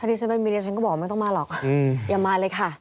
ที่ฉันไม่มีดิฉันก็บอกไม่ต้องมาหรอกอย่ามาเลยค่ะ